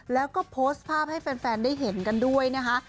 แล้วก็โพสต์ภาพให้แฟนได้เห็นกันด้วยนะคะ